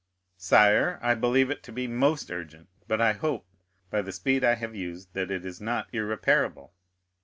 "Sire, I believe it to be most urgent, but I hope, by the speed I have used, that it is not irreparable."